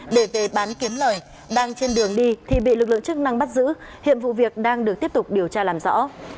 để về bán kiếm lời đang trên đường đi thì bị lực lượng chức năng bắt giữ hiện vụ việc đang được tiếp tục điều tra làm rõ